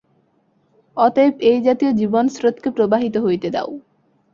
অতএব এই জাতীয় জীবনস্রোতকে প্রবাহিত হইতে দাও।